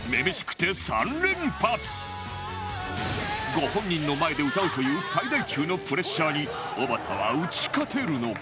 ご本人の前で歌うという最大級のプレッシャーにおばたは打ち勝てるのか？